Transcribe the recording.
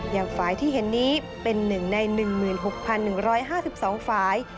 อย่างฝ่ายที่เห็นนี้เป็น๑ใน๑๖๑๕๒ฝ่าย